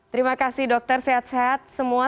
terima kasih dokter sehat sehat semua